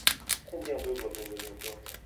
Combien d’eau doit-on donner aux plantes ?